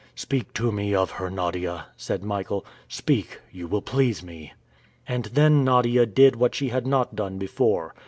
"Speak to me of her, Nadia," said Michael. "Speak you will please me." And then Nadia did what she had not done before.